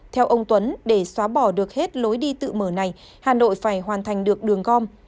theo ông tuấn để xóa bỏ được hết lối đi tự mở này hà nội phải hoàn thành được đường gom